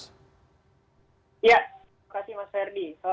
ya terima kasih mas ferdi